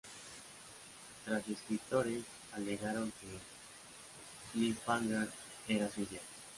Tres escritores alegaron que "Cliffhanger" era su idea.